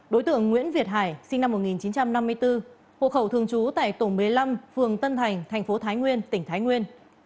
đối tượng nguyễn việt hải sinh năm một nghìn chín trăm năm mươi bốn hộ khẩu thường trú tại tổ một mươi năm phường tân thành thành phố thái nguyên tỉnh thái nguyên